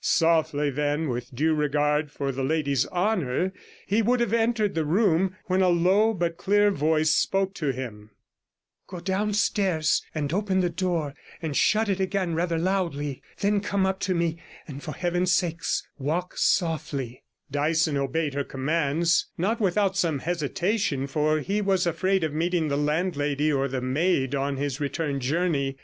Softly, then, with due regard for the lady's honour, he would have entered the room, when a low but clear voice spoke to him 'Go downstairs and open the door and shut it again rather loudly. Then come up to me; and for Heaven's sake, walk softly.' Dyson obeyed her commands, not without some hesitation, for he was afraid of meeting the landlady or the maid on his return journey.